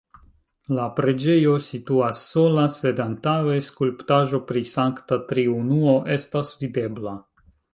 La preĝejo situas sola, sed antaŭe skulptaĵo pri Sankta Triunuo estas videbla.